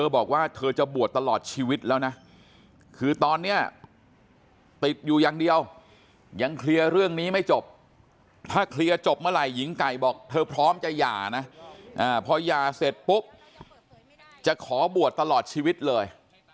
บอกว่าเธอจะบวชตลอดชีวิตแล้วนะคือตอนนี้ติดอยู่อย่างเดียวยังเคลียร์เรื่องนี้ไม่จบถ้าเคลียร์จบเมื่อไหร่หญิงไก่บอกเธอพร้อมจะหย่านะพอหย่าเสร็จปุ๊บจะขอบวชตลอดชีวิตเลย